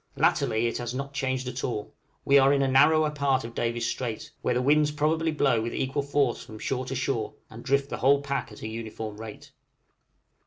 latterly it has not changed at all: we are in a narrower part of Davis' Strait, where the winds probably blow with equal force from shore to shore and drift the whole pack at a uniform rate.